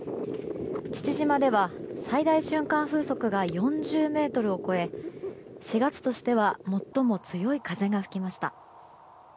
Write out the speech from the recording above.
父島では最大瞬間風速が４０メートルを超え４月としては最も強い風が吹きました。